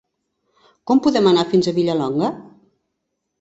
Com podem anar fins a Vilallonga?